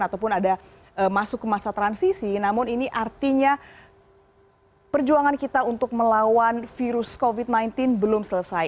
ataupun ada masuk ke masa transisi namun ini artinya perjuangan kita untuk melawan virus covid sembilan belas belum selesai